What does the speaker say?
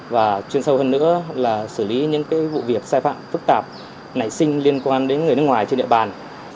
và chuyên sâu hơn nữa là xử lý những vụ việc sai phạm phức tạp nảy sinh liên quan đến người nước ngoài trên địa bàn